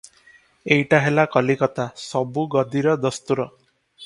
ଏଇଟା ହେଲା କଲିକତା ସବୁ ଗଦିର ଦସ୍ତୁର ।